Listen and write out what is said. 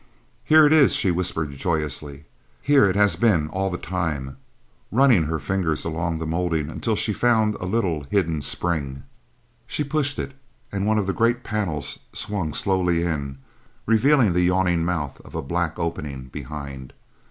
"Here it is," she whispered joyously, "here it has been all the time." Running her fingers along the molding until she found a little hidden spring, she pushed it, and one of the great panels swung slowly in, revealing the yawning mouth of a black opening behind.